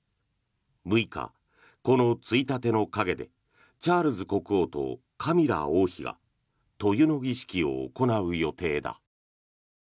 ６日、このついたての陰でチャールズ国王とカミラ王妃が塗油の儀式を行う予定だ。